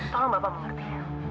tolong bapak mengerti